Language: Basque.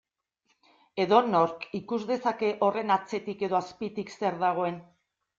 Edonork ikus dezake horren atzetik edo azpitik zer dagoen.